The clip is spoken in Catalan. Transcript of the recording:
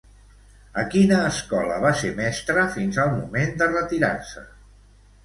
A quina escola va ser mestra fins al moment de retirar-se?